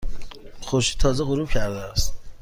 خورشید تازه غروب کرده است.